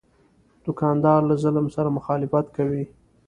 دوکاندار له ظلم سره مخالفت کوي.